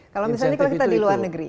kalau misalnya kalau kita di luar negeri